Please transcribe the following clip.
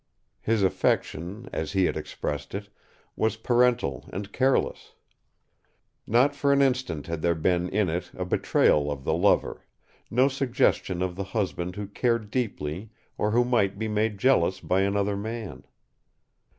His affection, as he had expressed it, was parental and careless. Not for an instant had there been in it a betrayal of the lover, no suggestion of the husband who cared deeply or who might be made jealous by another man.